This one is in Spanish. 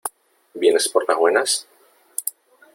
¿ Vienes por las buenas ?